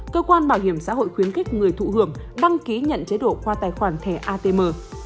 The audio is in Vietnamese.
cơ quan bảo hiểm xã hội khuyến khích người thụ hưởng đăng ký nhận chế độ qua tài khoản thẻ atm